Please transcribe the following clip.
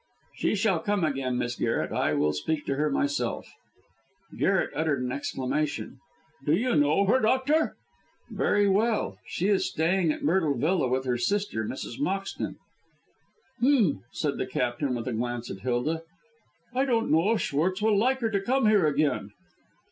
"She shall come again, Miss Garret. I will speak to her myself." Garret uttered an exclamation. "Do you know her, doctor?" "Very well. She is staying at Myrtle Villa with her sister, Mrs. Moxton." "H'm!" said the Captain, with a glance at Hilda. "I don't know if Schwartz will like her to come here again."